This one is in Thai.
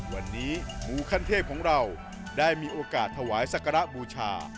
วันนี้หมูขั้นเทพของเราได้มีโอกาสถวายสักการะบูชา